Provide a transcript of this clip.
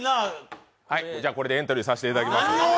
じゃあこれでエントリーさせていただきます。